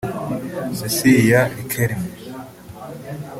Cecilia Riquelme